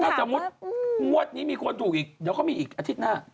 ถ้าสมมุติงวดนี้มีคนถูกอีกเดี๋ยวก็มีอีกอาทิตย์หน้า